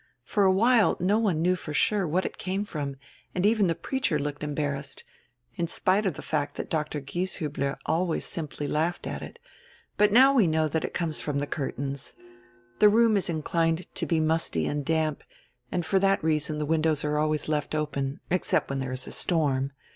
For a while no one knew for sure what it came from, and even die preacher looked embarrassed, in spite of die fact diat Dr. Gieshiibler always simply laughed at it. But now we know diat it conies from die curtains. The room is inclined to be musty and damp, and for diat reason die windows are always left open, except when diere is a storm.